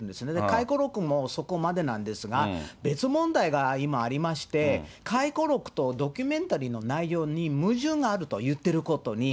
回顧録もそこまでなんですが、別問題が今ありまして、回顧録とドキュメンタリーの内容に矛盾があると、言ってることに。